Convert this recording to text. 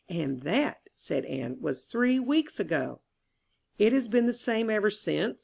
"And that," said Anne, "was three weeks ago." "It has been the same ever since?"